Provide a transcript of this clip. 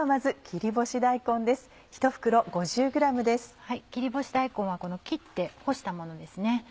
切り干し大根はこの切って干したものですね。